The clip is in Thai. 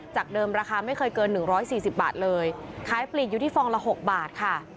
จากเดิมราคาไม่เคยเกินหนึ่งร้อยสี่สิบบาทเลยขายปลีกอยู่ที่ฟองละหกบาทค่ะ